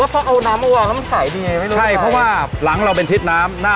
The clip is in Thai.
ก็รู้สึกว่าพอเอาน้ำมาวางแล้วมันขายดีไงไม่รู้ใช่เพราะว่าหลังเราเป็นทิศน้ำ